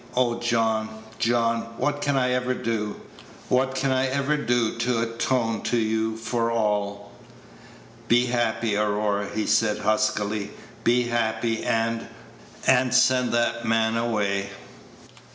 Oh, John, John, what can I ever do what can I ever do to atone to you for all " "Be happy, Aurora," he said, huskily, "be happy, and and send that man away."